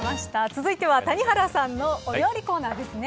続いては、谷原さんのお料理コーナーですね。